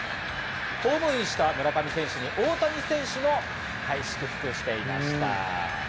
ホームインした村上選手に、大谷選手も祝福していました。